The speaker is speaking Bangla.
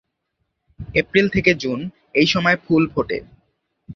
এপ্রিল থেকে জুন এইসময় ফুল ফোটে।